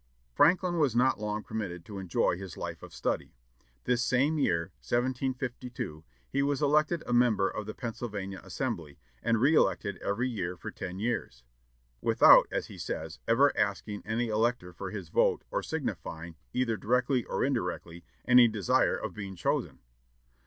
Franklin was not long permitted to enjoy his life of study. This same year, 1752, he was elected a member of the Pennsylvania Assembly, and reëlected every year for ten years, "without," as he says, "ever asking any elector for his vote, or signifying, either directly or indirectly, any desire of being chosen."